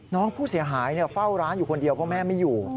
น้องผู้เสียหายเฝ้าร้านอยู่คนเดียวเพราะแม่ไม่อยู่